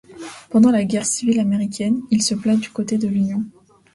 Pendant la Guerre civile américaine, il se place du côté de l'Union.